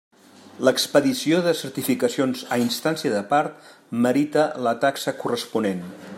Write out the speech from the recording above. L'expedició de certificacions a instància de part merita la taxa corresponent.